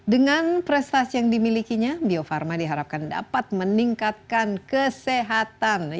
dengan prestasi yang dimilikinya bio farma diharapkan dapat meningkatkan kesehatan